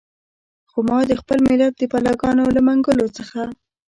خو ما د خپل ملت د بلاګانو له منګولو څخه.